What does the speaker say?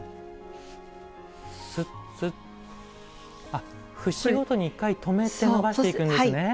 あっ節ごとに一回止めて伸ばしていくんですね。